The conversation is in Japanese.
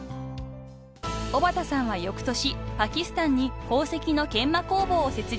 ［小幡さんは翌年パキスタンに宝石の研磨工房を設立］